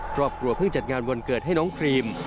ครอบครัวเพิ่งจัดงานวันเกิดให้น้องครีม